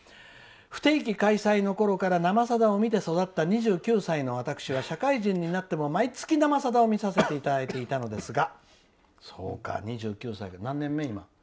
不定期開催のころから「生さだ」を見て育った２９歳の私は社会人になっても毎月「生さだ」を見させていただいたのですが」。